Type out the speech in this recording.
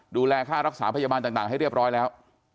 ดูแลค่ารักษาพยาบาลต่างให้เรียบร้อยแล้ว